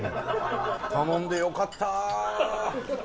頼んでよかった。